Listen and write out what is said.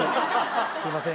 すいません